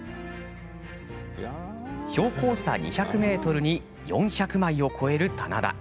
標高差２００ｍに４００枚を超える棚田。